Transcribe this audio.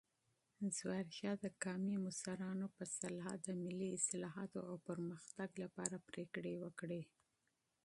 ظاهرشاه د قومي مشرانو په مشوره د ملي اصلاحاتو او پرمختګ لپاره پریکړې وکړې.